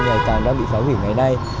người ta đang bị phá hủy ngày nay